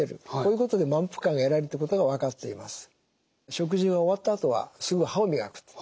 食事が終わったあとはすぐ歯を磨くと。